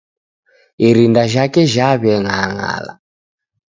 Irinda jhake jhawe langala.